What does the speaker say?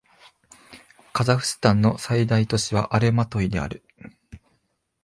カザフスタンの最大都市はアルマトイである